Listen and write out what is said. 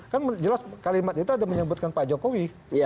kan jelas kalimat itu ada menyebutkan pak jokowi